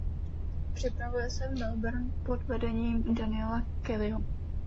Připravuje se v Melbourne pod vedením Daniela Kellyho.